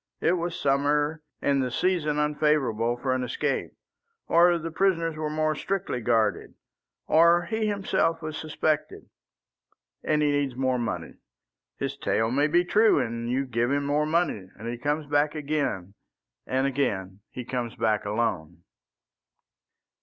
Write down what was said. It was summer, and the season unfavourable for an escape. Or the prisoners were more strictly guarded. Or he himself was suspected. And he needs more money. His tale may be true, and you give him more money; and he comes back again, and again he comes back alone."